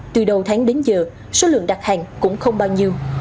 từ đầu tháng đến giờ số lượng đặt hàng cũng không bao nhiêu